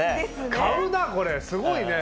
買うなこれすごいね。